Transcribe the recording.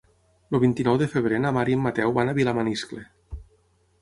El vint-i-nou de febrer na Mar i en Mateu van a Vilamaniscle.